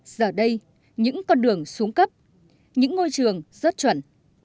giờ đây những con đường xuống cấp những ngôi trường rớt chuẩn